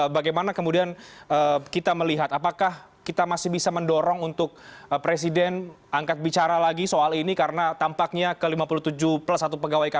bagaimana kemudian kita melihat apakah kita masih bisa mendorong untuk presiden angkat bicara lagi soal ini karena tampaknya ke lima puluh tujuh plus satu pegawai kpk